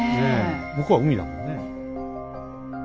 向こうは海だもんね。